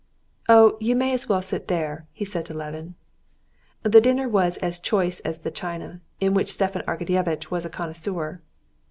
"Oh, you may as well sit there," he said to Levin. The dinner was as choice as the china, in which Stepan Arkadyevitch was a connoisseur.